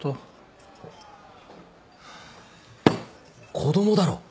子供だろ。